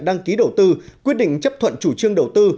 đăng ký đầu tư quyết định chấp thuận chủ trương đầu tư